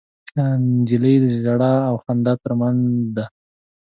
نجلۍ د ژړا او خندا تر منځ ده.